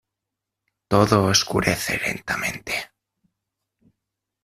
todo oscurece lentamente: